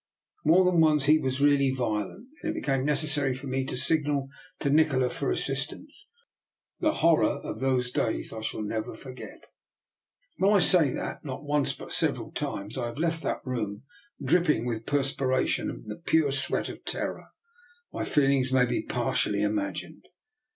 More than once he was really violent, and it became necessary for me to signal to Nikola for assistance. The horror of those days I shall never forget. When I say that not once but several times I have left that room dripping with perspira tion, the pure sweat of terror, my feelings may be partially imagined.